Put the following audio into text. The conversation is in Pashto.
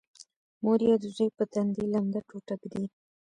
مور یې د زوی په تندي لمده ټوټه ږدي